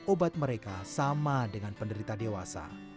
obat mereka sama dengan penderita dewasa